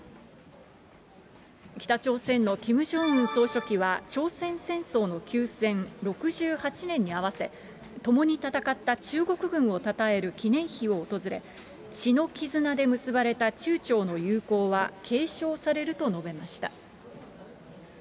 北朝鮮のキム・ジョンウン総書記は、朝鮮戦争の休戦６８年に合わせ、共に戦った中国軍をたたえる記念碑を訪れ、血の絆で結ばれた中朝の友好は継承されると述べました。